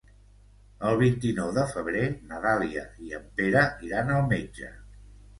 El vint-i-nou de febrer na Dàlia i en Pere iran al metge.